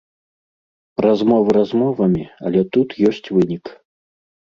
Размовы размовамі, але тут ёсць вынік.